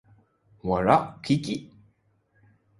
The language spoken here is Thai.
หัวเราะคริคริ